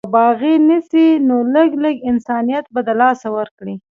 او باغي نسي نو لږ، لږ انسانيت به د لاسه ورکړي